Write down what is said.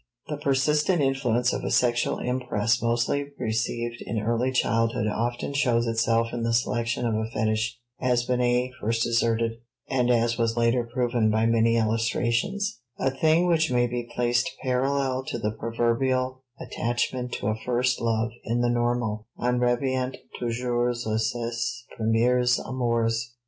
The persistent influence of a sexual impress mostly received in early childhood often shows itself in the selection of a fetich, as Binet first asserted, and as was later proven by many illustrations, a thing which may be placed parallel to the proverbial attachment to a first love in the normal ("On revient toujours à ses premiers amours").